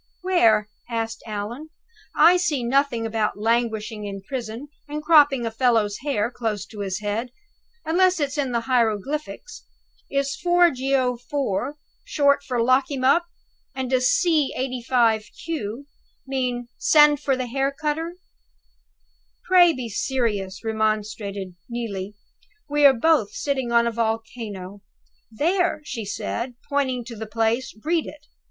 "Where?" asked Allan. "I see nothing about languishing in prison, and cropping a fellow's hair close to his head, unless it's in the hieroglyphics. Is '4 Geo. IV.' short for 'Lock him up'? and does 'c. 85 (q)' mean, 'Send for the hair cutter'?" "Pray be serious," remonstrated Neelie. "We are both sitting on a volcano. There," she said pointing to the place. "Read it!